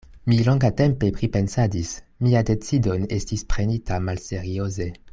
Mi longatempe pripensadis: mia decido ne estis prenita malserioze.